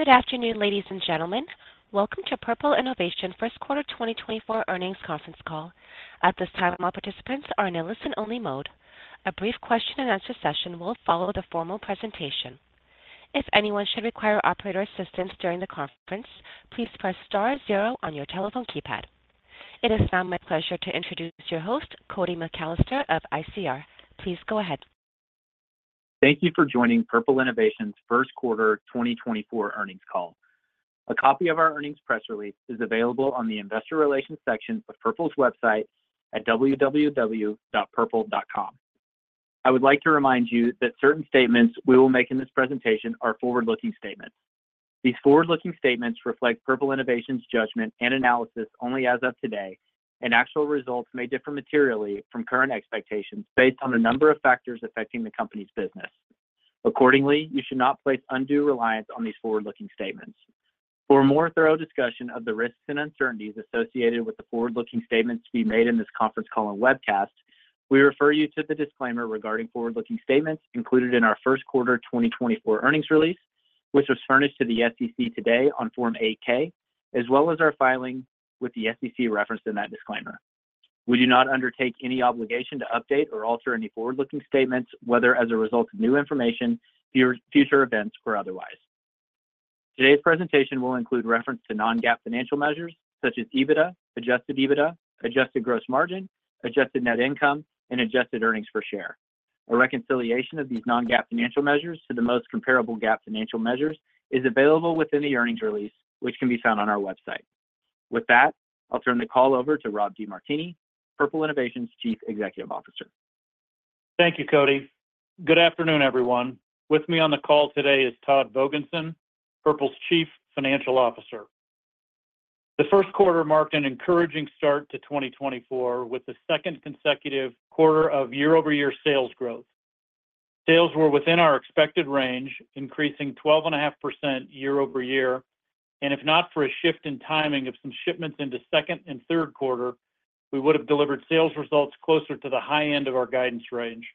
Good afternoon, ladies and gentlemen. Welcome to Purple Innovation first quarter 2024 earnings conference call. At this time, all participants are in a listen-only mode. A brief question-and-answer session will follow the formal presentation. If anyone should require operator assistance during the conference, please press star or zero on your telephone keypad. It is now my pleasure to introduce your host, Cody McAlester of ICR. Please go ahead. Thank you for joining Purple Innovation's First Quarter 2024 Earnings call. A copy of our earnings press release is available on the investor relations section of Purple's website at www.purple.com. I would like to remind you that certain statements we will make in this presentation are forward-looking statements. These forward-looking statements reflect Purple Innovation's judgment and analysis only as of today, and actual results may differ materially from current expectations based on a number of factors affecting the company's business. Accordingly, you should not place undue reliance on these forward-looking statements. For a more thorough discussion of the risks and uncertainties associated with the forward-looking statements to be made in this conference call and webcast, we refer you to the disclaimer regarding forward-looking statements included in our first quarter 2024 earnings release, which was furnished to the SEC today on Form 8-K, as well as our filing with the SEC referenced in that disclaimer. We do not undertake any obligation to update or alter any forward-looking statements, whether as a result of new information, future events, or otherwise. Today's presentation will include reference to non-GAAP financial measures such as EBITDA, adjusted EBITDA, adjusted gross margin, adjusted net income, and adjusted earnings per share. A reconciliation of these non-GAAP financial measures to the most comparable GAAP financial measures is available within the earnings release, which can be found on our website. With that, I'll turn the call over to Rob DeMartini, Purple Innovation's Chief Executive Officer. Thank you, Cody. Good afternoon, everyone. With me on the call today is Todd Vogensen, Purple's Chief Financial Officer. The first quarter marked an encouraging start to 2024 with the second consecutive quarter of year-over-year sales growth. Sales were within our expected range, increasing 12.5% year-over-year, and if not for a shift in timing of some shipments into second and third quarter, we would have delivered sales results closer to the high end of our guidance range.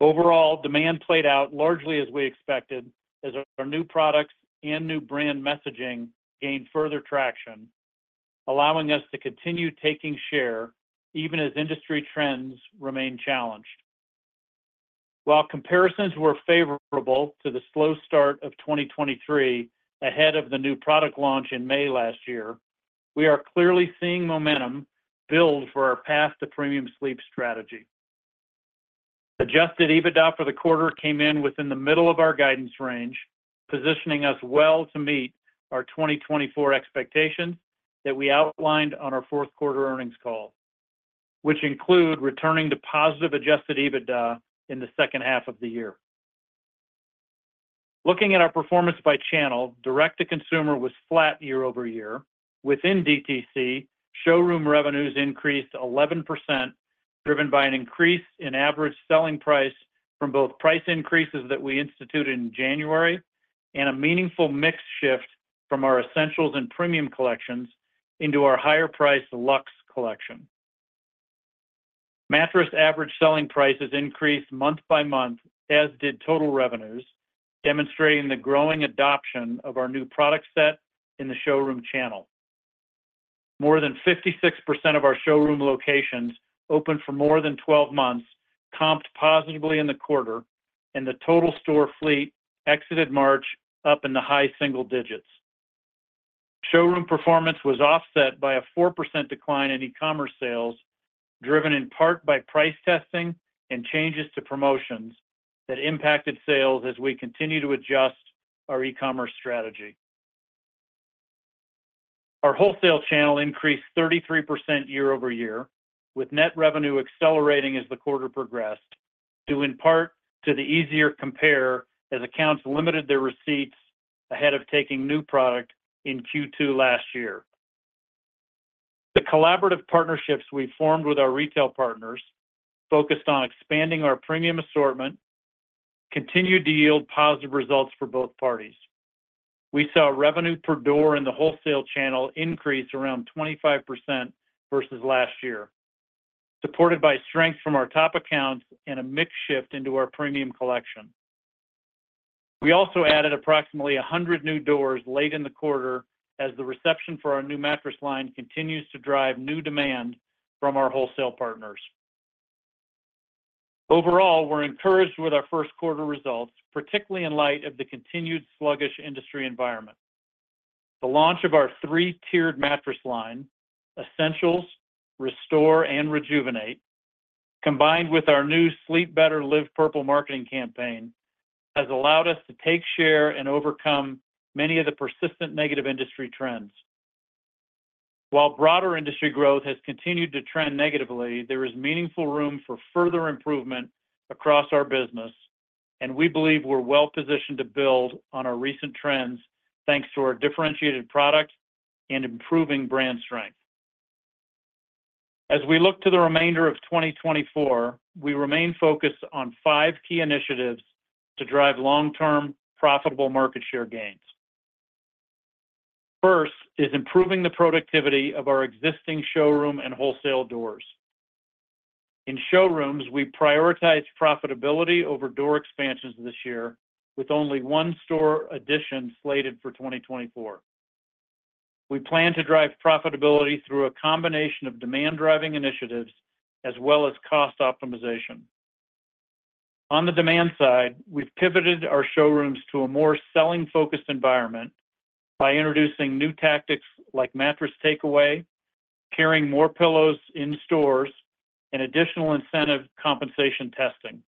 Overall, demand played out largely as we expected, as our new products and new brand messaging gained further traction, allowing us to continue taking share even as industry trends remain challenged. While comparisons were favorable to the slow start of 2023 ahead of the new product launch in May last year, we are clearly seeing momentum build for our Path to Premium Sleep strategy. Adjusted EBITDA for the quarter came in within the middle of our guidance range, positioning us well to meet our 2024 expectations that we outlined on our fourth quarter earnings call, which include returning to positive adjusted EBITDA in the second half of the year. Looking at our performance by channel, direct-to-consumer was flat year-over-year. Within DTC, showroom revenues increased 11%, driven by an increase in average selling price from both price increases that we instituted in January and a meaningful mix shift from our Essentials and Premium collections into our higher-price Luxe collection. Mattress average selling prices increased month-by-month, as did total revenues, demonstrating the growing adoption of our new product set in the showroom channel. More than 56% of our showroom locations opened for more than 12 months, comped positively in the quarter, and the total store fleet exited March up in the high single digits. Showroom performance was offset by a 4% decline in e-commerce sales, driven in part by price testing and changes to promotions that impacted sales as we continue to adjust our e-commerce strategy. Our wholesale channel increased 33% year-over-year, with net revenue accelerating as the quarter progressed, due in part to the easier compare as accounts limited their receipts ahead of taking new product in Q2 last year. The collaborative partnerships we formed with our retail partners, focused on expanding our premium assortment, continued to yield positive results for both parties. We saw revenue per door in the wholesale channel increase around 25% versus last year, supported by strength from our top accounts and a mix shift into our Premium Collection. We also added approximately 100 new doors late in the quarter as the reception for our new mattress line continues to drive new demand from our wholesale partners. Overall, we're encouraged with our first quarter results, particularly in light of the continued sluggish industry environment. The launch of our three-tiered mattress line, Essentials, Restore, and Rejuvenate, combined with our new Sleep Better, Live Purple marketing campaign, has allowed us to take share and overcome many of the persistent negative industry trends. While broader industry growth has continued to trend negatively, there is meaningful room for further improvement across our business, and we believe we're well-positioned to build on our recent trends thanks to our differentiated product and improving brand strength. As we look to the remainder of 2024, we remain focused on five key initiatives to drive long-term profitable market share gains. First is improving the productivity of our existing showroom and wholesale doors. In showrooms, we prioritized profitability over door expansions this year, with only one store addition slated for 2024. We plan to drive profitability through a combination of demand-driving initiatives as well as cost optimization. On the demand side, we've pivoted our showrooms to a more selling-focused environment by introducing new tactics like mattress takeaway, carrying more pillows in stores, and additional incentive compensation testing.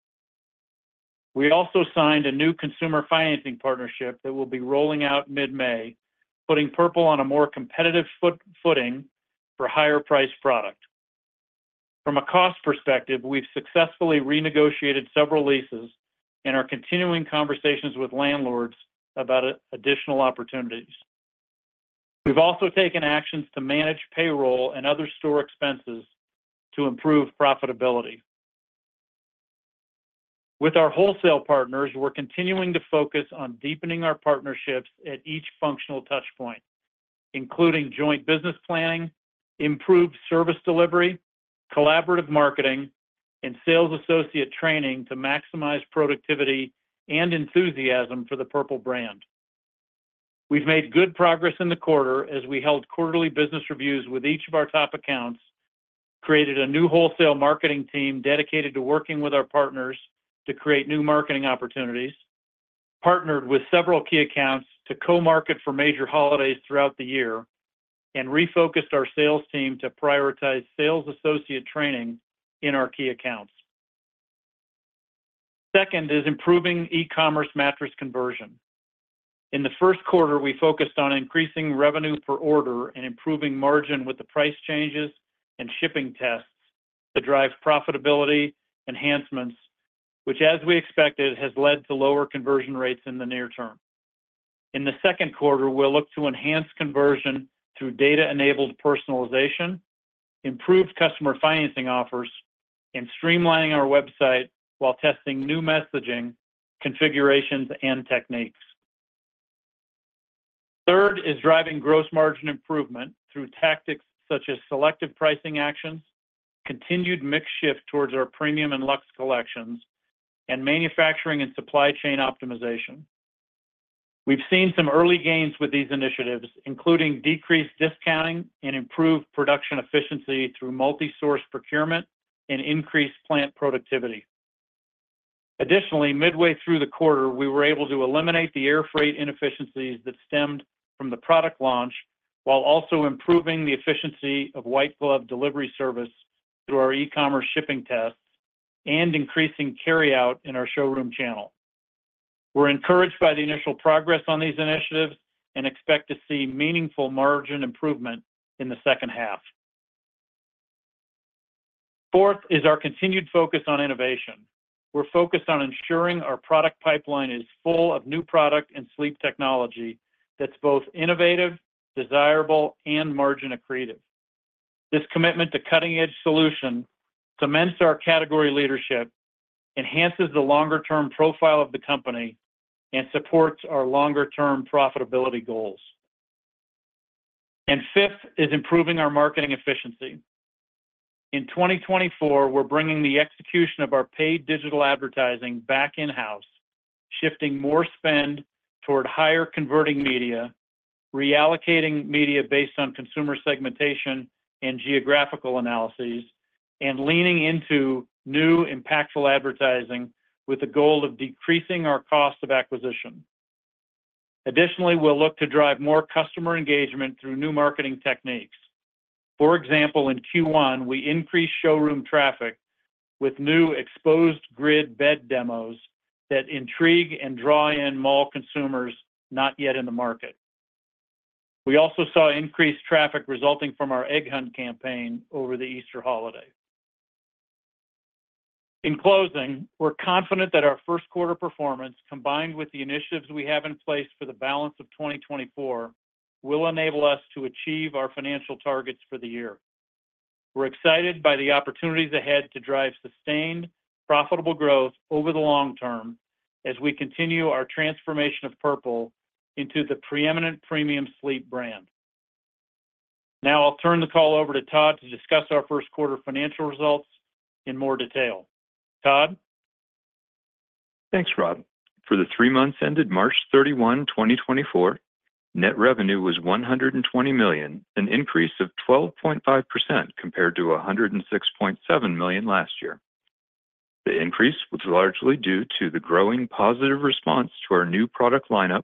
We also signed a new consumer financing partnership that will be rolling out mid-May, putting Purple on a more competitive footing for higher-priced product. From a cost perspective, we've successfully renegotiated several leases and are continuing conversations with landlords about additional opportunities. We've also taken actions to manage payroll and other store expenses to improve profitability. With our wholesale partners, we're continuing to focus on deepening our partnerships at each functional touchpoint, including joint business planning, improved service delivery, collaborative marketing, and sales associate training to maximize productivity and enthusiasm for the Purple brand. We've made good progress in the quarter as we held quarterly business reviews with each of our top accounts, created a new wholesale marketing team dedicated to working with our partners to create new marketing opportunities, partnered with several key accounts to co-market for major holidays throughout the year, and refocused our sales team to prioritize sales associate training in our key accounts. Second is improving e-commerce mattress conversion. In the first quarter, we focused on increasing revenue per order and improving margin with the price changes and shipping tests to drive profitability enhancements, which, as we expected, has led to lower conversion rates in the near term. In the second quarter, we'll look to enhance conversion through data-enabled personalization, improved customer financing offers, and streamlining our website while testing new messaging configurations and techniques. Third is driving gross margin improvement through tactics such as selective pricing actions, continued mix shift towards our Premium and Luxe Collections, and manufacturing and supply chain optimization. We've seen some early gains with these initiatives, including decreased discounting and improved production efficiency through multi-source procurement and increased plant productivity. Additionally, midway through the quarter, we were able to eliminate the air freight inefficiencies that stemmed from the product launch while also improving the efficiency of white glove delivery service through our e-commerce shipping tests and increasing carryout in our showroom channel. We're encouraged by the initial progress on these initiatives and expect to see meaningful margin improvement in the second half. Fourth is our continued focus on innovation. We're focused on ensuring our product pipeline is full of new product and sleep technology that's both innovative, desirable, and margin accretive. This commitment to cutting-edge solutions cements our category leadership, enhances the longer-term profile of the company, and supports our longer-term profitability goals. Fifth is improving our marketing efficiency. In 2024, we're bringing the execution of our paid digital advertising back in-house, shifting more spend toward higher converting media, reallocating media based on consumer segmentation and geographical analyses, and leaning into new impactful advertising with the goal of decreasing our cost of acquisition. Additionally, we'll look to drive more customer engagement through new marketing techniques. For example, in Q1, we increased showroom traffic with new exposed grid bed demos that intrigue and draw in mall consumers not yet in the market. We also saw increased traffic resulting from our Egg Hunt campaign over the Easter holiday. In closing, we're confident that our first quarter performance, combined with the initiatives we have in place for the balance of 2024, will enable us to achieve our financial targets for the year. We're excited by the opportunities ahead to drive sustained, profitable growth over the long term as we continue our transformation of Purple into the preeminent premium sleep brand. Now I'll turn the call over to Todd to discuss our first quarter financial results in more detail. Todd? Thanks, Rob. For the three months ended March 31, 2024, net revenue was $120 million, an increase of 12.5% compared to $106.7 million last year. The increase was largely due to the growing positive response to our new product lineup,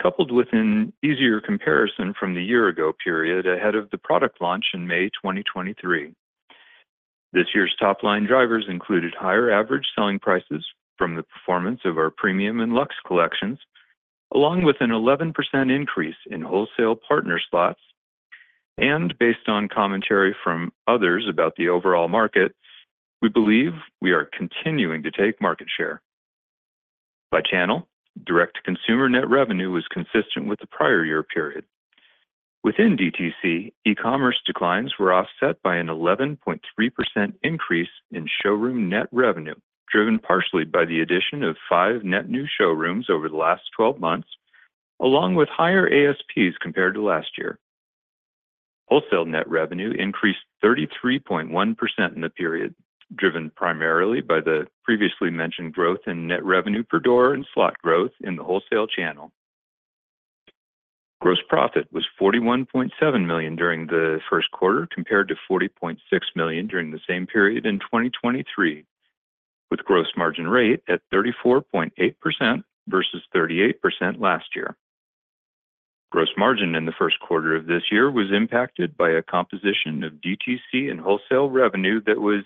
coupled with an easier comparison from the year-ago period ahead of the product launch in May 2023. This year's top line drivers included higher average selling prices from the performance of our Premium and Luxe Collections, along with an 11% increase in wholesale partner slots. And based on commentary from others about the overall market, we believe we are continuing to take market share. By channel, direct-to-consumer net revenue was consistent with the prior year period. Within DTC, e-commerce declines were offset by an 11.3% increase in showroom net revenue, driven partially by the addition of five net new showrooms over the last 12 months, along with higher ASPs compared to last year. Wholesale net revenue increased 33.1% in the period, driven primarily by the previously mentioned growth in net revenue per door and slot growth in the wholesale channel. Gross profit was $41.7 million during the first quarter compared to $40.6 million during the same period in 2023, with gross margin rate at 34.8% versus 38% last year. Gross margin in the first quarter of this year was impacted by a composition of DTC and wholesale revenue that was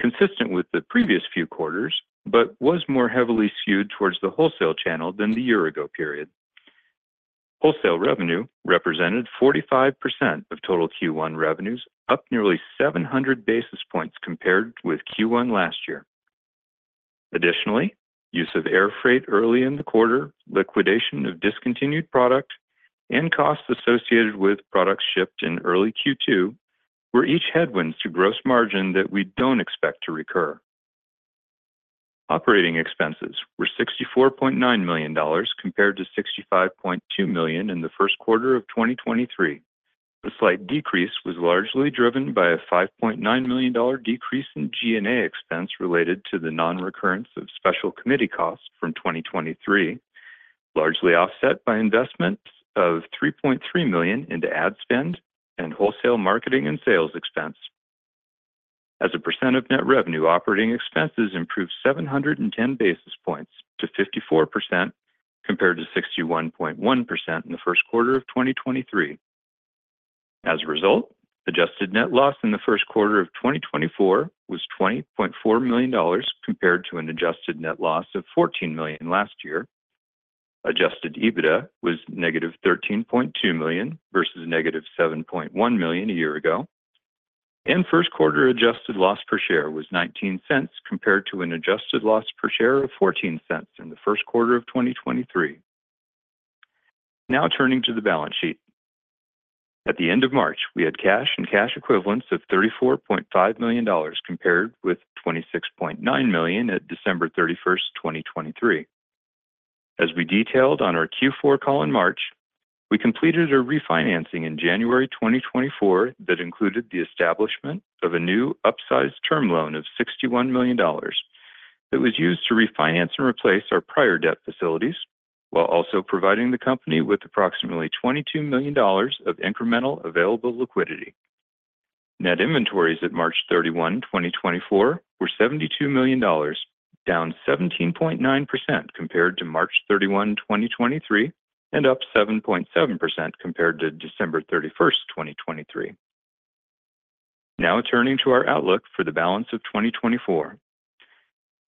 consistent with the previous few quarters but was more heavily skewed towards the wholesale channel than the year-ago period. Wholesale revenue represented 45% of total Q1 revenues, up nearly 700 basis points compared with Q1 last year. Additionally, use of air freight early in the quarter, liquidation of discontinued product, and costs associated with products shipped in early Q2 were each headwinds to gross margin that we don't expect to recur. Operating expenses were $64.9 million compared to $65.2 million in the first quarter of 2023. The slight decrease was largely driven by a $5.9 million decrease in G&A expense related to the non-recurrence of special committee costs from 2023, largely offset by investments of $3.3 million into ad spend and wholesale marketing and sales expense. As a percent of net revenue, operating expenses improved 710 basis points to 54% compared to 61.1% in the first quarter of 2023. As a result, adjusted net loss in the first quarter of 2024 was $20.4 million compared to an adjusted net loss of $14 million last year. Adjusted EBITDA was -$13.2 million versus -$7.1 million a year ago. First quarter adjusted loss per share was $0.19 compared to an adjusted loss per share of $0.14 in the first quarter of 2023. Now turning to the balance sheet. At the end of March, we had cash and cash equivalents of $34.5 million compared with $26.9 million at December 31, 2023. As we detailed on our Q4 call in March, we completed a refinancing in January 2024 that included the establishment of a new upsized term loan of $61 million that was used to refinance and replace our prior debt facilities while also providing the company with approximately $22 million of incremental available liquidity. Net inventories at March 31, 2024, were $72 million, down 17.9% compared to March 31, 2023, and up 7.7% compared to December 31, 2023. Now turning to our outlook for the balance of 2024.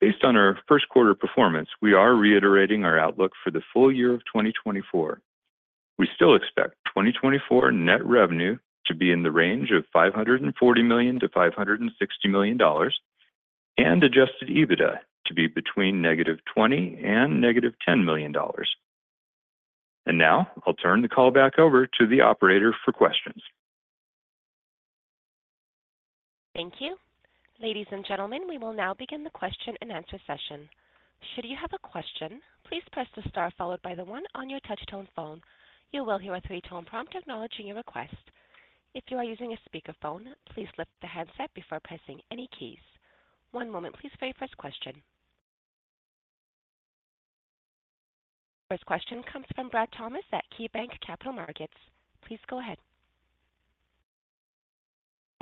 Based on our first quarter performance, we are reiterating our outlook for the full year of 2024. We still expect 2024 net revenue to be in the range of $540 million-$560 million and adjusted EBITDA to be between -$20 million and -$10 million. Now I'll turn the call back over to the operator for questions. Thank you. Ladies and gentlemen, we will now begin the question and answer session. Should you have a question, please press the star followed by the one on your touch tone phone. You will hear a three-tone prompt acknowledging your request. If you are using a speakerphone, please lift the headset before pressing any keys. One moment, please for your first question. First question comes from Brad Thomas at KeyBanc Capital Markets. Please go ahead.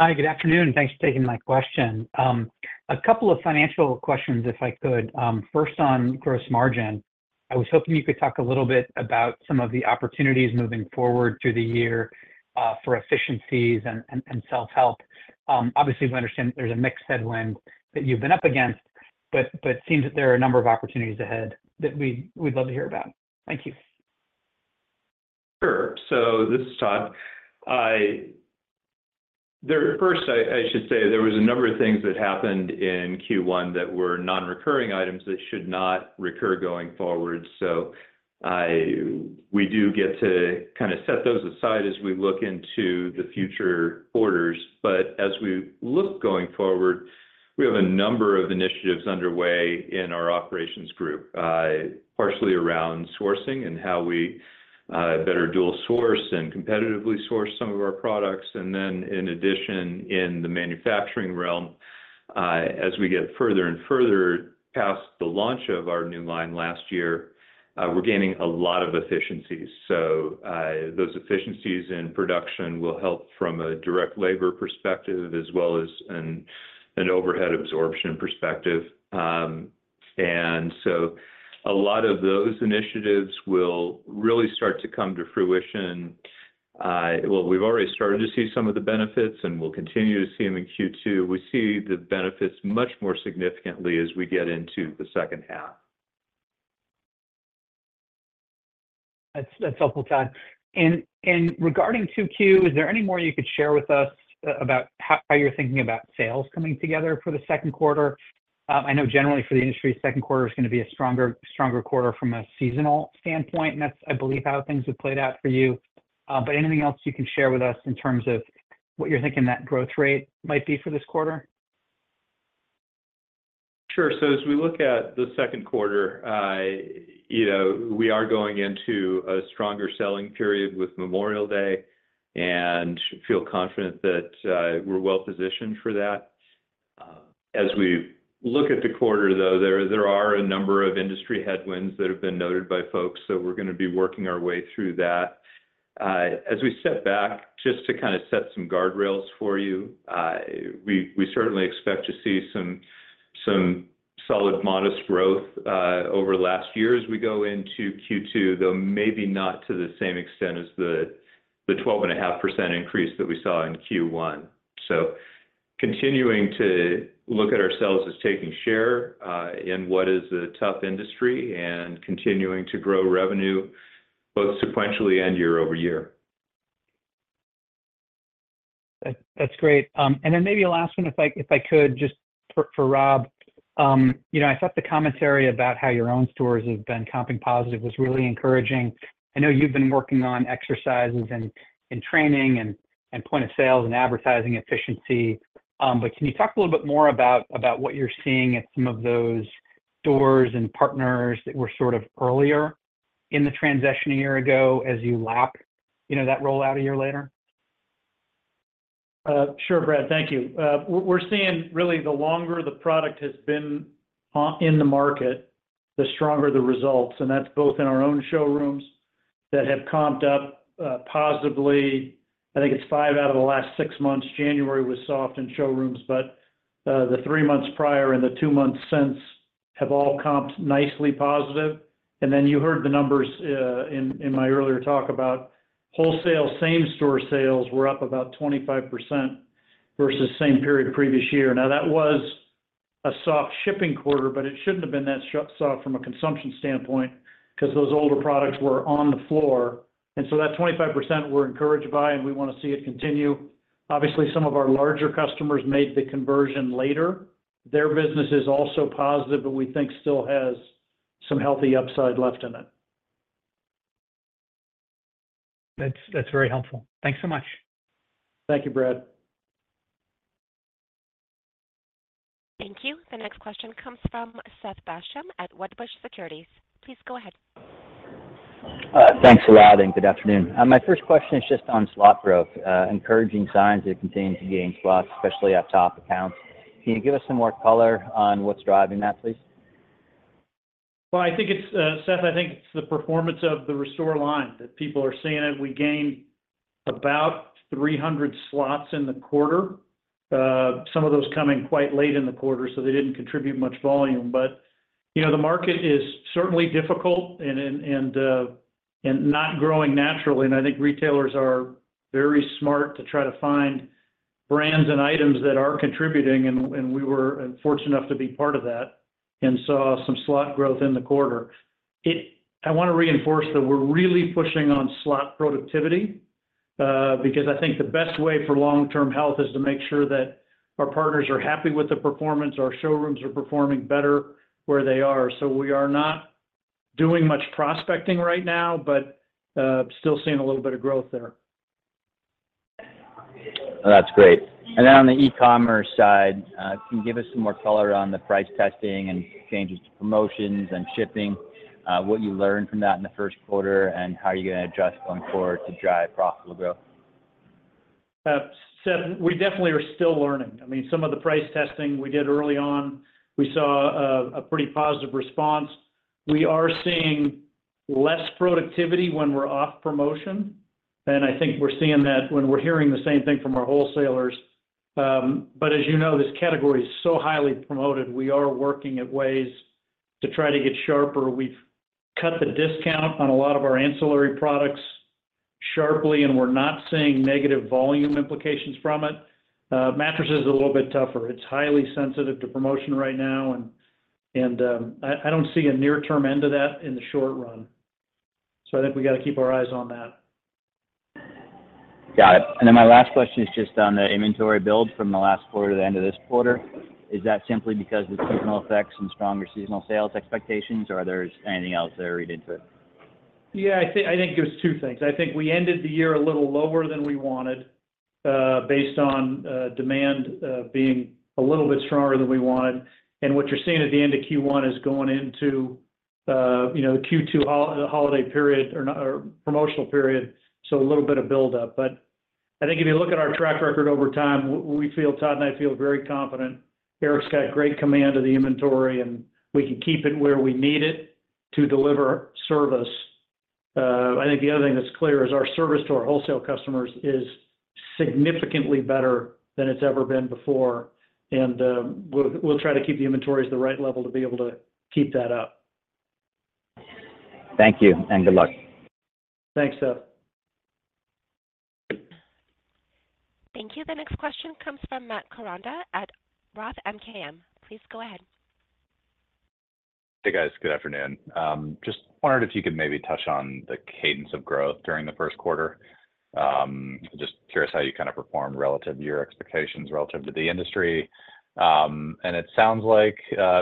Hi, good afternoon. Thanks for taking my question. A couple of financial questions if I could. First on Gross Margin. I was hoping you could talk a little bit about some of the opportunities moving forward through the year, for efficiencies and self-help. Obviously, we understand there's a mix headwind that you've been up against, but seems that there are a number of opportunities ahead that we, we'd love to hear about. Thank you. Sure. So this is Todd. First, I should say there was a number of things that happened in Q1 that were non-recurring items that should not recur going forward. So we do get to kind of set those aside as we look into the future quarters. But as we look going forward, we have a number of initiatives underway in our operations group, partially around sourcing and how we better dual source and competitively source some of our products. And then in addition, in the manufacturing realm, as we get further and further past the launch of our new line last year, we're gaining a lot of efficiencies. So, those efficiencies in production will help from a direct labor perspective as well as an overhead absorption perspective. And so a lot of those initiatives will really start to come to fruition. Well, we've already started to see some of the benefits, and we'll continue to see them in Q2. We see the benefits much more significantly as we get into the second half. That's helpful, Todd. And regarding Q2, is there any more you could share with us, about how you're thinking about sales coming together for the second quarter? I know generally for the industry, second quarter is gonna be a stronger quarter from a seasonal standpoint, and that's, I believe, how things have played out for you. But anything else you can share with us in terms of what you're thinking that growth rate might be for this quarter? Sure. So as we look at the second quarter, you know, we are going into a stronger selling period with Memorial Day and feel confident that we're well positioned for that. As we look at the quarter, though, there are a number of industry headwinds that have been noted by folks, so we're gonna be working our way through that. As we step back, just to kind of set some guardrails for you, we certainly expect to see some solid modest growth over last year as we go into Q2, though maybe not to the same extent as the 12.5% increase that we saw in Q1. So continuing to look at ourselves as taking share in what is a tough industry and continuing to grow revenue both sequentially and year-over-year. That, that's great. And then maybe a last one if I, if I could, just for, for Rob. You know, I thought the commentary about how your own stores have been comping positive was really encouraging. I know you've been working on exercises and, and training and, and point of sales and advertising efficiency. But can you talk a little bit more about, about what you're seeing at some of those stores and partners that were sort of earlier in the transition a year ago as you lap, you know, that rollout a year later? Sure, Brad. Thank you. We're seeing really the longer the product has been on in the market, the stronger the results. That's both in our own showrooms that have comped up positively. I think it's five out of the last six months. January was soft in showrooms, but the three months prior and the two months since have all comped nicely positive. Then you heard the numbers in my earlier talk about wholesale same-store sales were up about 25% versus same period previous year. Now, that was a soft shipping quarter, but it shouldn't have been that soft from a consumption standpoint 'cause those older products were on the floor. So that 25%, we're encouraged by, and we wanna see it continue. Obviously, some of our larger customers made the conversion later. Their business is also positive, but we think still has some healthy upside left in it. That's very helpful. Thanks so much. Thank you, Brad. Thank you. The next question comes from Seth Basham at Wedbush Securities. Please go ahead. Thanks a lot and good afternoon. My first question is just on slot growth, encouraging signs that it continues to gain slots, especially at top accounts. Can you give us some more color on what's driving that, please? Well, I think it's, Seth, I think it's the performance of the Restore line that people are seeing it. We gained about 300 slots in the quarter. Some of those coming quite late in the quarter, so they didn't contribute much volume. But, you know, the market is certainly difficult and not growing naturally. And I think retailers are very smart to try to find brands and items that are contributing. And we were fortunate enough to be part of that and saw some slot growth in the quarter. I wanna reinforce that we're really pushing on slot productivity, because I think the best way for long-term health is to make sure that our partners are happy with the performance. Our showrooms are performing better where they are. We are not doing much prospecting right now, but still seeing a little bit of growth there. That's great. And then on the e-commerce side, can you give us some more color on the price testing and changes to promotions and shipping, what you learned from that in the first quarter, and how you're gonna adjust going forward to drive profitable growth? Seth, we definitely are still learning. I mean, some of the price testing we did early on, we saw a pretty positive response. We are seeing less productivity when we're off promotion. And I think we're seeing that when we're hearing the same thing from our wholesalers. But as you know, this category is so highly promoted, we are working at ways to try to get sharper. We've cut the discount on a lot of our ancillary products sharply, and we're not seeing negative volume implications from it. Mattresses are a little bit tougher. It's highly sensitive to promotion right now. And I don't see a near-term end to that in the short run. So I think we gotta keep our eyes on that. Got it. And then my last question is just on the inventory build from the last quarter to the end of this quarter. Is that simply because of seasonal effects and stronger seasonal sales expectations, or is there anything else there leading to it? Yeah, I think it was two things. I think we ended the year a little lower than we wanted, based on demand being a little bit stronger than we wanted. And what you're seeing at the end of Q1 is going into, you know, the Q2 holiday period or promotional period, so a little bit of buildup. But I think if you look at our track record over time, we feel Todd and I feel very confident. Eric's got great command of the inventory, and we can keep it where we need it to deliver service. I think the other thing that's clear is our service to our wholesale customers is significantly better than it's ever been before. And we'll try to keep the inventories at the right level to be able to keep that up. Thank you and good luck. Thanks, Seth. Thank you. The next question comes from Matt Koranda at Roth MKM. Please go ahead. Hey, guys. Good afternoon. Just wondered if you could maybe touch on the cadence of growth during the first quarter. Just curious how you kinda performed relative to your expectations relative to the industry. It sounds like,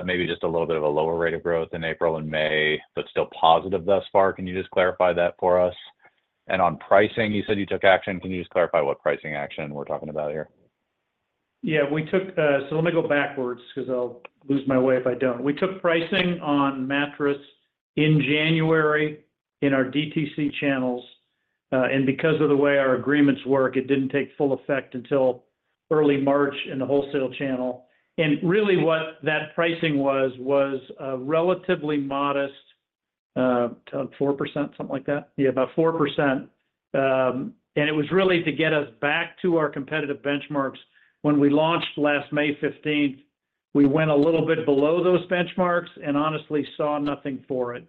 maybe just a little bit of a lower rate of growth in April and May, but still positive thus far. Can you just clarify that for us? On pricing, you said you took action. Can you just clarify what pricing action we're talking about here? Yeah, we took. So let me go backwards 'cause I'll lose my way if I don't. We took pricing on mattress in January in our DTC channels, and because of the way our agreements work, it didn't take full effect until early March in the wholesale channel. And really what that pricing was, was a relatively modest, Todd, 4%, something like that? Yeah, about 4%. And it was really to get us back to our competitive benchmarks. When we launched last May 15th, we went a little bit below those benchmarks and honestly saw nothing for it.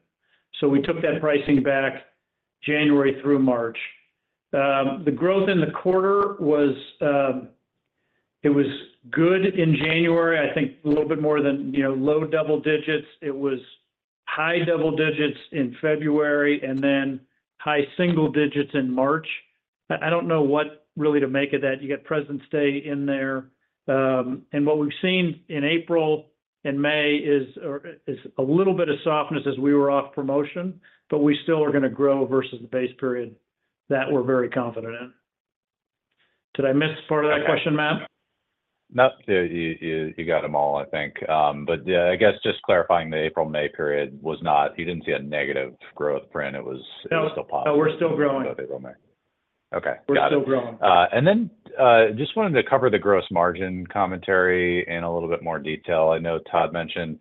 So we took that pricing back January through March. The growth in the quarter was, it was good in January, I think a little bit more than, you know, low double digits. It was high double digits in February and then high single digits in March. I don't know what really to make of that. You got President's Day in there. What we've seen in April and May is, or is a little bit of softness as we were off promotion, but we still are gonna grow versus the base period that we're very confident in. Did I miss part of that question, Matt? Nope. You got them all, I think. I guess just clarifying, the April-May period was not. You didn't see a negative growth print. It was still positive. No, no. We're still growing. Both April and May. Okay. We're still growing. And then, just wanted to cover the gross margin commentary in a little bit more detail. I know Todd mentioned,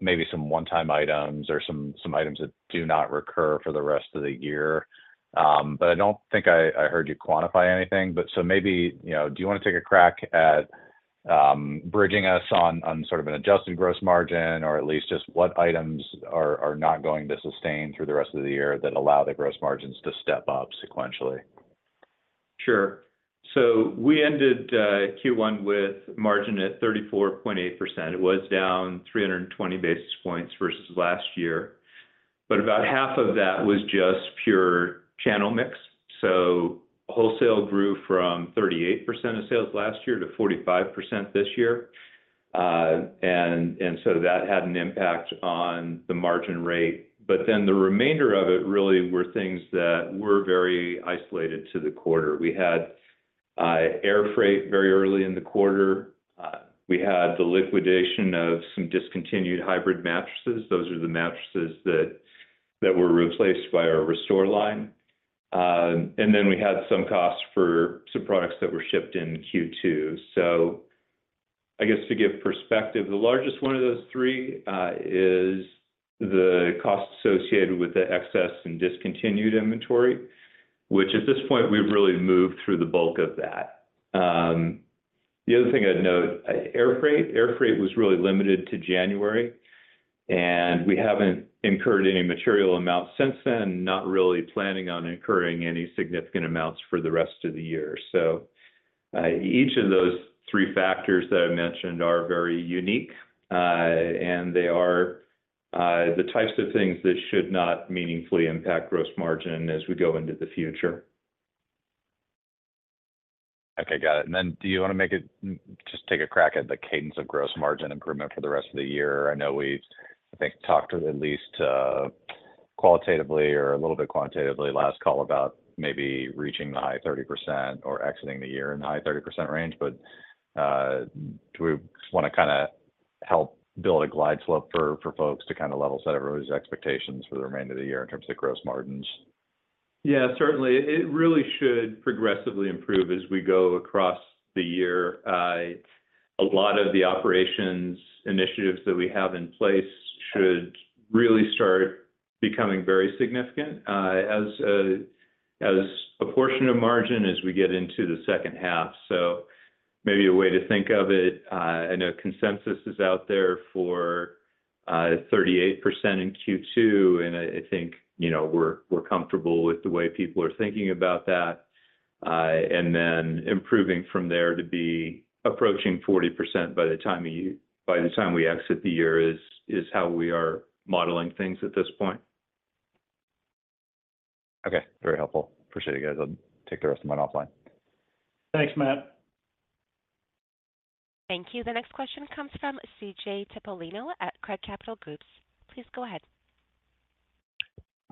maybe some one-time items or some items that do not recur for the rest of the year. But I don't think I heard you quantify anything. But so maybe, you know, do you wanna take a crack at, bridging us on, on sort of an adjusted gross margin or at least just what items are not going to sustain through the rest of the year that allow the gross margins to step up sequentially? Sure. So we ended Q1 with margin at 34.8%. It was down 320 basis points versus last year. But about half of that was just pure channel mix. So wholesale grew from 38% of sales last year to 45% this year. and, and so that had an impact on the margin rate. But then the remainder of it really were things that were very isolated to the quarter. We had air freight very early in the quarter. We had the liquidation of some discontinued hybrid mattresses. Those are the mattresses that, that were replaced by our Restore line. and then we had some costs for some products that were shipped in Q2. So I guess to give perspective, the largest one of those three is the cost associated with the excess and discontinued inventory, which at this point, we've really moved through the bulk of that. The other thing I'd note, air freight. Air freight was really limited to January. We haven't incurred any material amounts since then and not really planning on incurring any significant amounts for the rest of the year. Each of those three factors that I mentioned are very unique, and they are, the types of things that should not meaningfully impact gross margin as we go into the future. Okay. Got it. And then do you wanna make it just take a crack at the cadence of gross margin improvement for the rest of the year? I know we've, I think, talked at least, qualitatively or a little bit quantitatively last call about maybe reaching the high 30% or exiting the year in the high 30% range. But, do we wanna kinda help build a glide slope for, for folks to kinda level set everyone's expectations for the remainder of the year in terms of the gross margins? Yeah, certainly. It, it really should progressively improve as we go across the year. A lot of the operations initiatives that we have in place should really start becoming very significant, as, as a portion of margin as we get into the second half. So maybe a way to think of it, I know consensus is out there for 38% in Q2. And I, I think, you know, we're, we're comfortable with the way people are thinking about that. And then improving from there to be approaching 40% by the time you by the time we exit the year is, is how we are modeling things at this point. Okay. Very helpful. Appreciate it, guys. I'll take the rest of mine offline. Thanks, Matt. Thank you. The next question comes from C.J. Dipollino at Craig-Hallum Capital Group. Please go ahead.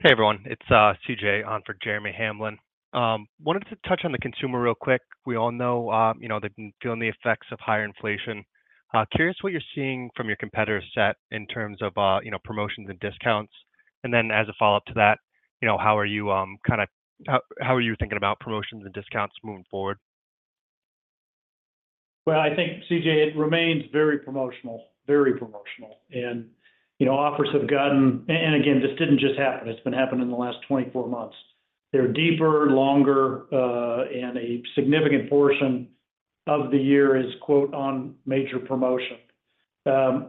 Hey, everyone. It's C.J. on for Jeremy Hamblin. Wanted to touch on the consumer real quick. We all know, you know, they've been feeling the effects of higher inflation. Curious what you're seeing from your competitors' set in terms of, you know, promotions and discounts. And then as a follow-up to that, you know, how are you, kinda how, how are you thinking about promotions and discounts moving forward? Well, I think, C.J., it remains very promotional, very promotional. And, you know, offers have gotten and, and again, this didn't just happen. It's been happening in the last 24 months. They're deeper, longer, and a significant portion of the year is, quote, "on major promotion."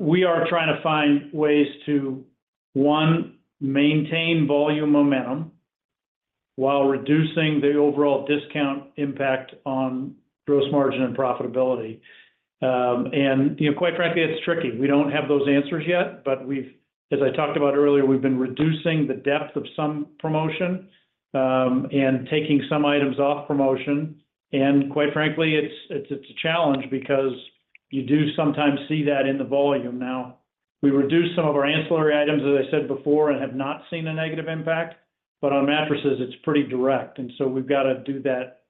We are trying to find ways to, one, maintain volume momentum while reducing the overall discount impact on gross margin and profitability. And, you know, quite frankly, it's tricky. We don't have those answers yet. But we've as I talked about earlier, we've been reducing the depth of some promotion, and taking some items off promotion. And quite frankly, it's, it's, it's a challenge because you do sometimes see that in the volume now. We reduce some of our ancillary items, as I said before, and have not seen a negative impact. But on mattresses, it's pretty direct. We've gotta do that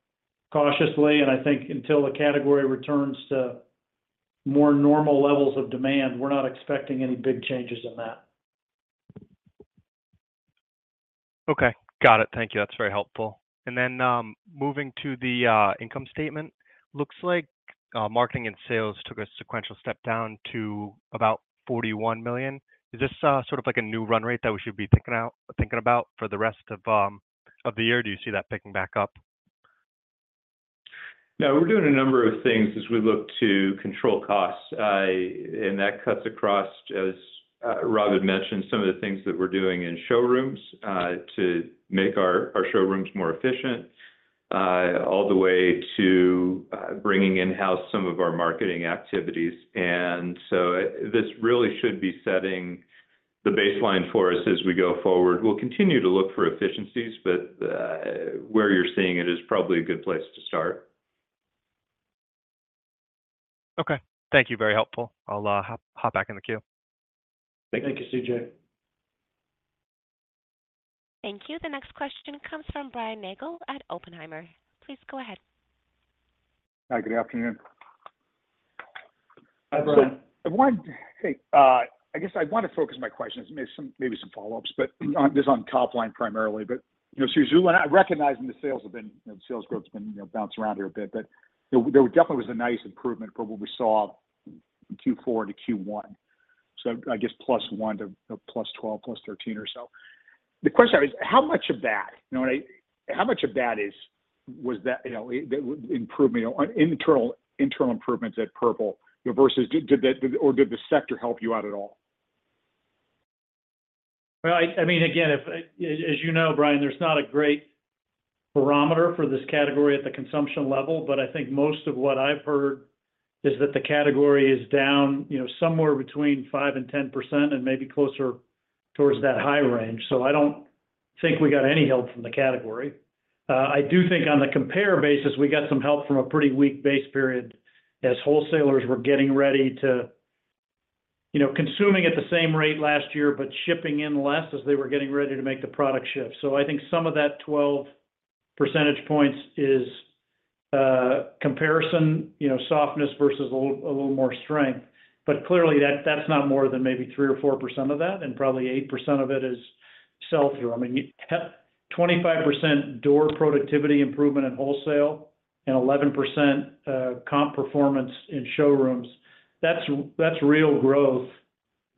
cautiously. I think until the category returns to more normal levels of demand, we're not expecting any big changes in that. Okay. Got it. Thank you. That's very helpful. And then, moving to the income statement, looks like marketing and sales took a sequential step down to about $41 million. Is this sort of like a new run rate that we should be thinking about for the rest of the year? Do you see that picking back up? No, we're doing a number of things as we look to control costs. And that cuts across, as Rob had mentioned, some of the things that we're doing in showrooms, to make our showrooms more efficient, all the way to bringing in-house some of our marketing activities. And so this really should be setting the baseline for us as we go forward. We'll continue to look for efficiencies, but where you're seeing it is probably a good place to start. Okay. Thank you. Very helpful. I'll hop back in the queue. Thank you. Thank you, C.J. Thank you. The next question comes from Brian Nagel at Oppenheimer. Please go ahead. Hi. Good afternoon. Hi, Brian. So, I guess I wanted to focus my questions, maybe some follow-ups, but on this top line primarily. But, you know, [so Rob], I recognize the sales have been, you know, the sales growth's been, you know, bouncing around here a bit. But, you know, there definitely was a nice improvement from what we saw in Q4 to Q1. So, I guess, +1 to, you know, +12, +13 or so. The question I have is, how much of that, you know, and how much of that was that, you know, improvement, you know, internal improvements at Purple, you know, versus did that or did the sector help you out at all? Well, I mean, again, if, as you know, Brian, there's not a great barometer for this category at the consumption level. But I think most of what I've heard is that the category is down, you know, somewhere between 5% and 10% and maybe closer towards that high range. So I don't think we got any help from the category. I do think on the compare basis, we got some help from a pretty weak base period as wholesalers were getting ready to, you know, consuming at the same rate last year but shipping in less as they were getting ready to make the product shift. So I think some of that 12 percentage points is, comparison, you know, softness versus a little more strength. But clearly, that, that's not more than maybe 3% or 4% of that. Probably 8% of it is sell-through. I mean, 25% door productivity improvement in wholesale and 11%, comp performance in showrooms. That's, that's real growth,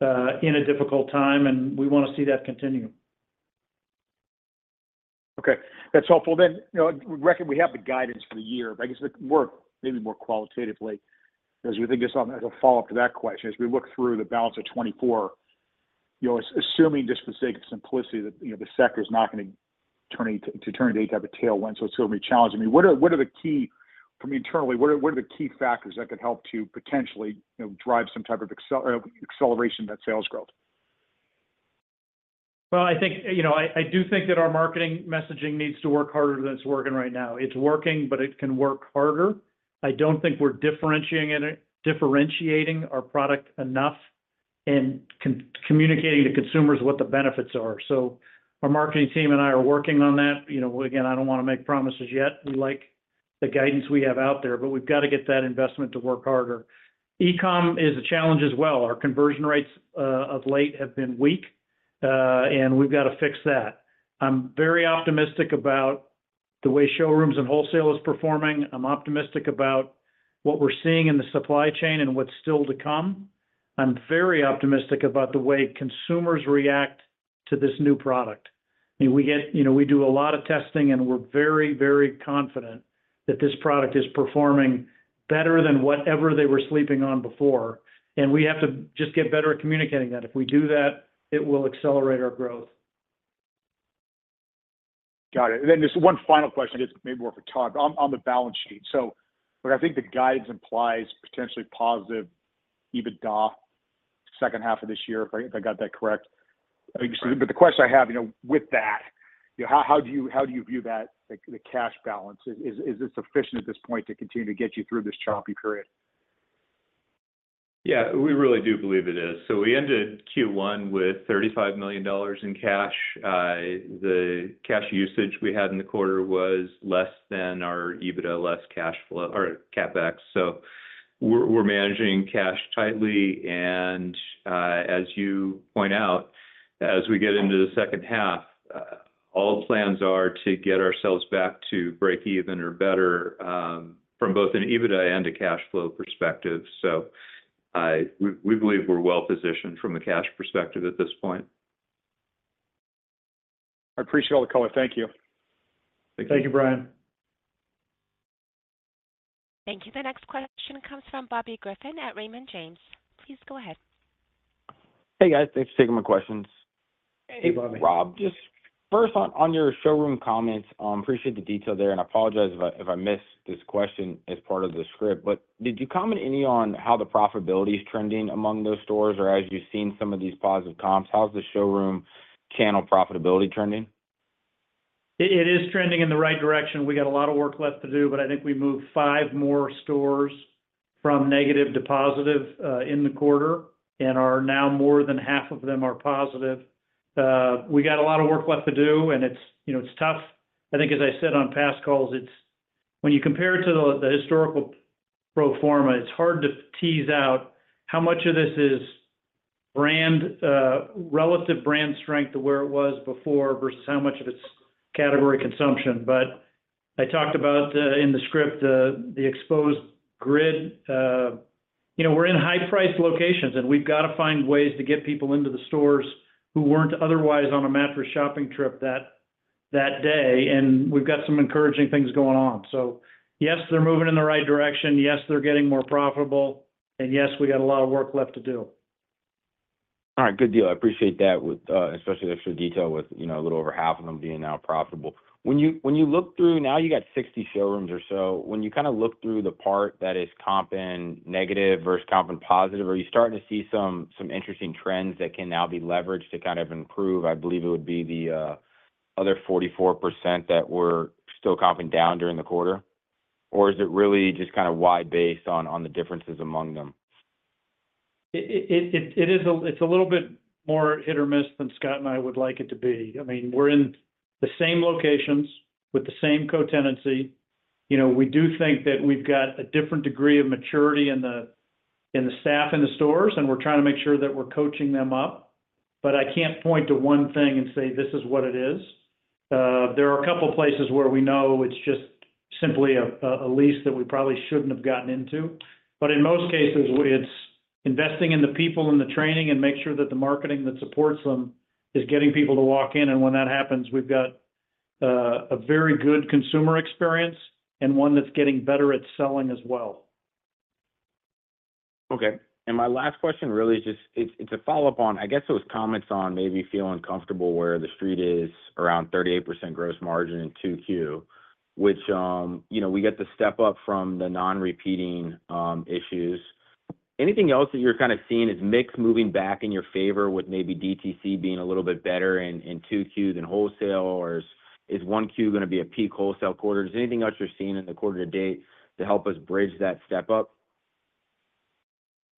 in a difficult time. And we wanna see that continue. Okay. That's helpful. Then, you know, we reckon we have the guidance for the year. But I guess, maybe more qualitatively, as we think this on as a follow-up to that question, as we look through the balance of 2024, you know, assuming just for the sake of simplicity that, you know, the sector's not gonna turn into any type of tailwind. So it's gonna be challenging. I mean, what are the key factors from internally that could help to potentially, you know, drive some type of acceleration of that sales growth? Well, I think, you know, I do think that our marketing messaging needs to work harder than it's working right now. It's working, but it can work harder. I don't think we're differentiating our product enough and communicating to consumers what the benefits are. So our marketing team and I are working on that. You know, again, I don't wanna make promises yet. We like the guidance we have out there. But we've gotta get that investment to work harder. E-com is a challenge as well. Our conversion rates, of late, have been weak. We've gotta fix that. I'm very optimistic about the way showrooms and wholesale is performing. I'm optimistic about what we're seeing in the supply chain and what's still to come. I'm very optimistic about the way consumers react to this new product. I mean, we get, you know, we do a lot of testing. We're very, very confident that this product is performing better than whatever they were sleeping on before. We have to just get better at communicating that. If we do that, it will accelerate our growth. Got it. And then just one final question. I guess maybe more for Todd. I'm the balance sheet. So, look, I think the guidance implies potentially positive EBITDA second half of this year, if I got that correct. I guess, but the question I have, you know, with that, you know, how do you view that, the cash balance? Is it sufficient at this point to continue to get you through this choppy period? Yeah. We really do believe it is. So we ended Q1 with $35 million in cash. The cash usage we had in the quarter was less than our EBITDA, less cash flow or CapEx. So we're managing cash tightly. And, as you point out, as we get into the second half, all plans are to get ourselves back to break even or better, from both an EBITDA and a cash flow perspective. So, we believe we're well-positioned from a cash perspective at this point. I appreciate all the color. Thank you. Thank you. Thank you, Brian. Thank you. The next question comes from Bobby Griffin at Raymond James. Please go ahead. Hey, guys. Thanks for taking my questions. Hey, Bobby. Rob, just first, on your showroom comments, appreciate the detail there. I apologize if I missed this question as part of the script. But did you comment any on how the profitability's trending among those stores? Or as you've seen some of these positive comps, how's the showroom channel profitability trending? It is trending in the right direction. We got a lot of work left to do. But I think we moved 5 more stores from negative to positive, in the quarter. And now, more than half of them are positive. We got a lot of work left to do. And it's, you know, it's tough. I think, as I said on past calls, it's when you compare it to the historical pro forma, it's hard to tease out how much of this is brand, relative brand strength to where it was before versus how much of it's category consumption. But I talked about, in the script, the exposed grid. You know, we're in high-priced locations. And we've gotta find ways to get people into the stores who weren't otherwise on a mattress shopping trip that day. And we've got some encouraging things going on. Yes, they're moving in the right direction. Yes, they're getting more profitable. Yes, we got a lot of work left to do. All right. Good deal. I appreciate that with, especially the extra detail with, you know, a little over half of them being now profitable. When you look through now, you got 60 showrooms or so. When you kinda look through the part that is comping negative versus comping positive, are you starting to see some interesting trends that can now be leveraged to kind of improve? I believe it would be the other 44% that were still comping down during the quarter. Or is it really just kinda wide-based on the differences among them? It is a little bit more hit or miss than Scott and I would like it to be. I mean, we're in the same locations with the same co-tenancy. You know, we do think that we've got a different degree of maturity in the staff in the stores. And we're trying to make sure that we're coaching them up. But I can't point to one thing and say, "This is what it is." There are a couple of places where we know it's just simply a lease that we probably shouldn't have gotten into. But in most cases, it's investing in the people and the training and making sure that the marketing that supports them is getting people to walk in. When that happens, we've got a very good consumer experience and one that's getting better at selling as well. Okay. My last question really is just it's, it's a follow-up on I guess it was comments on maybe feeling comfortable where the street is around 38% gross margin in 2Q, which, you know, we got to step up from the non-recurring issues. Anything else that you're kinda seeing is mix moving back in your favor with maybe DTC being a little bit better in, in 2Q than wholesale? Or is, is 1Q gonna be a peak wholesale quarter? Is there anything else you're seeing in the quarter to date to help us bridge that step up?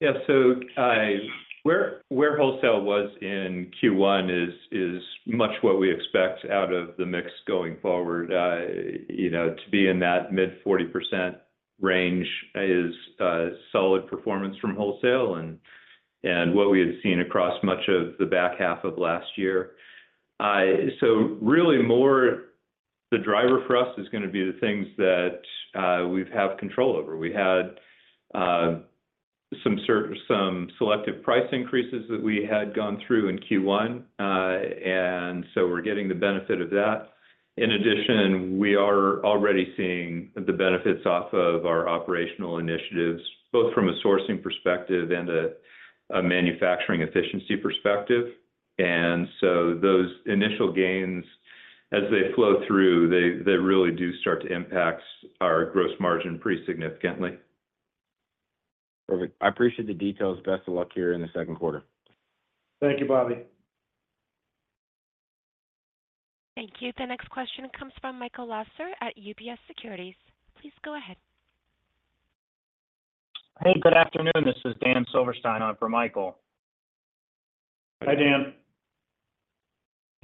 Yeah. So, where wholesale was in Q1 is much what we expect out of the mix going forward. You know, to be in that mid-40% range is solid performance from wholesale and what we had seen across much of the back half of last year. So really, more the driver for us is gonna be the things that we've have control over. We had some certain selective price increases that we had gone through in Q1. And so we're getting the benefit of that. In addition, we are already seeing the benefits off of our operational initiatives both from a sourcing perspective and a manufacturing efficiency perspective. And so those initial gains, as they flow through, they really do start to impact our gross margin pretty significantly. Perfect. I appreciate the details. Best of luck here in the second quarter. Thank you, Bobby. Thank you. The next question comes from Michael Lasser at UBS Securities. Please go ahead. Hey. Good afternoon. This is Dan Silverstein on for Michael. Hi, Dan.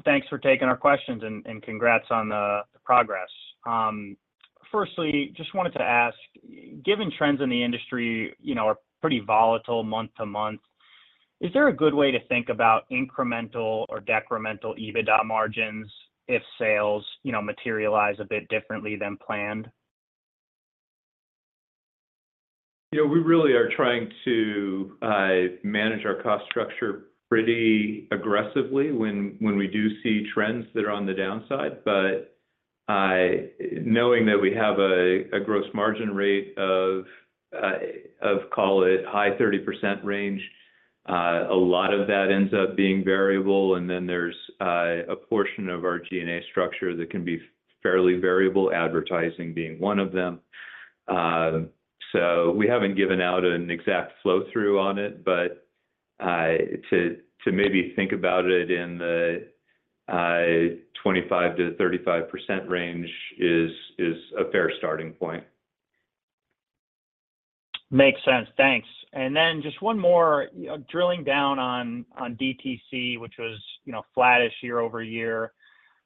Thanks for taking our questions and congrats on the progress. First, just wanted to ask, given trends in the industry, you know, are pretty volatile month to month, is there a good way to think about incremental or decremental EBITDA margins if sales, you know, materialize a bit differently than planned? You know, we really are trying to manage our cost structure pretty aggressively when we do see trends that are on the downside. But knowing that we have a gross margin rate of call it high 30% range, a lot of that ends up being variable. And then there's a portion of our G&A structure that can be fairly variable, advertising being one of them. So we haven't given out an exact flow-through on it. But to maybe think about it in the 25%-35% range is a fair starting point. Makes sense. Thanks. And then just one more, you know, drilling down on, on DTC, which was, you know, flattish year-over-year,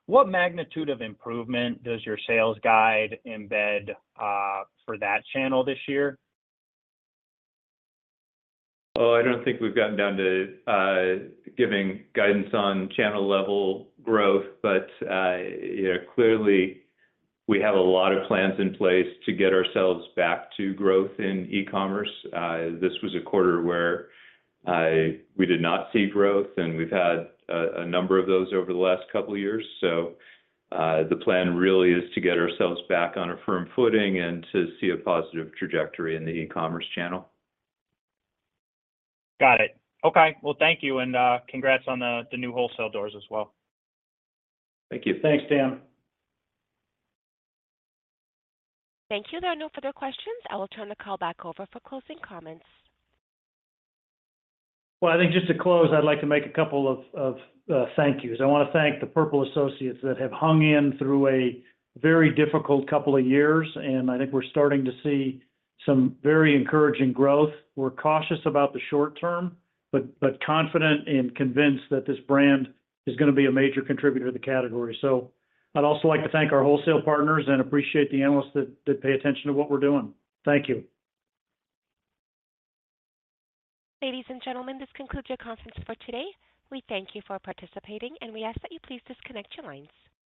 what magnitude of improvement does your sales guide embed, for that channel this year? Oh, I don't think we've gotten down to giving guidance on channel-level growth. But, you know, clearly, we have a lot of plans in place to get ourselves back to growth in e-commerce. This was a quarter where we did not see growth. And we've had a number of those over the last couple of years. So, the plan really is to get ourselves back on a firm footing and to see a positive trajectory in the e-commerce channel. Got it. Okay. Well, thank you. And, congrats on the new wholesale doors as well. Thank you. Thanks, Dan. Thank you. There are no further questions. I will turn the call back over for closing comments. Well, I think just to close, I'd like to make a couple of thank yous. I wanna thank the Purple Associates that have hung in through a very difficult couple of years. I think we're starting to see some very encouraging growth. We're cautious about the short term but confident and convinced that this brand is gonna be a major contributor to the category. I'd also like to thank our wholesale partners and appreciate the analysts that pay attention to what we're doing. Thank you. Ladies and gentlemen, this concludes your conference for today. We thank you for participating. We ask that you please disconnect your lines.